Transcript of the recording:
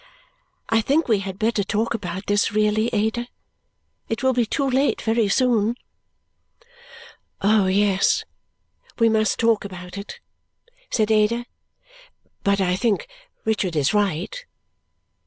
I think we had better talk about this, really, Ada. It will be too late very soon." "Oh, yes! We must talk about it!" said Ada. "But I think Richard is right."